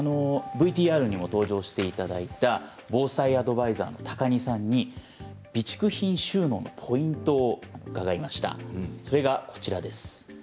ＶＴＲにも登場していただいた防災アドバイザーの高荷さんに備蓄品収納のポイントを伺いました。